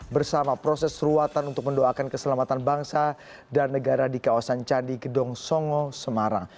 bersama proses ruatan untuk mendoakan keselamatan bangsa dan negara di kawasan candi gedong songo semarang